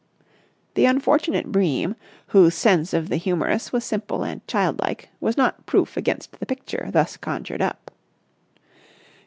The unfortunate Bream, whose sense of the humorous was simple and childlike, was not proof against the picture thus conjured up.